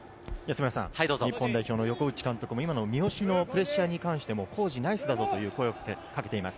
日本代表の横内監督も今の三好のプレッシャーに関しても康児、ナイスだぞ！と声をかけています。